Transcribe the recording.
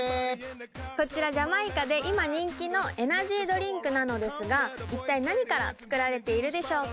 こちらジャマイカで今人気のエナジードリンクなのですが一体何から作られているでしょうか？